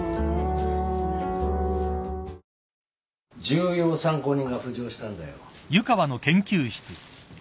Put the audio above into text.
重要参考人が浮上したんだよ。